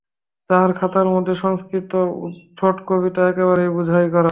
তাহার খাতার মধ্যে সংস্কৃত উদ্ভটকবিতা একেবারে বোঝাই করা।